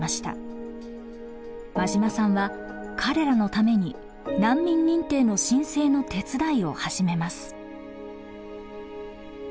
馬島さんは彼らのために難民認定の申請の手伝いを始めます。